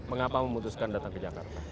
mengapa memutuskan datang ke jakarta